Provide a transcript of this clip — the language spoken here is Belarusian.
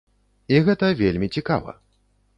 І гэта вельмі цікава.